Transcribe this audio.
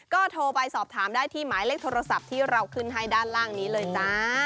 ก็โทรไปสอบถามได้ที่หมายเลขโทรศัพท์ที่เราขึ้นให้ด้านล่างนี้เลยจ้า